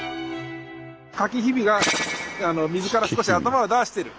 かきひびが水から少し頭を出してる。